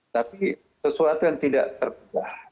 tapi sesuatu yang tidak terpegah